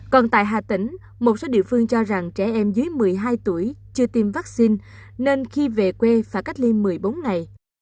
còn tại hà tĩnh một số địa phương cho rằng trẻ em dưới một mươi hai tuổi chưa tiêm vaccine nên khi về quê phải cách ly một mươi bốn ngày